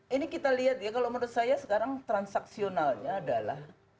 ini kita lihat ya kalau menurut saya sekarang transaksionalnya adalah